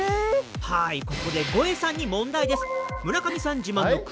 はいここでゴエさんに問題です。